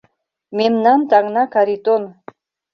Мемнан таҥна Каритон.